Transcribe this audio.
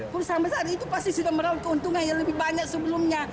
perusahaan besar itu pasti sudah merawat keuntungan yang lebih banyak sebelumnya